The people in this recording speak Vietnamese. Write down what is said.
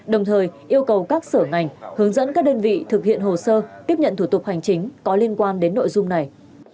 đồng thời yêu cầu các sở ngành hướng dẫn các đơn vị thực hiện hồ sơ tiếp nhận thủ tục hành chính có liên quan đến nội dung này